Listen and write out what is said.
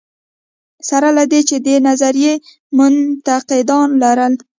سره له دې چې دې نظریې منتقدان لرل.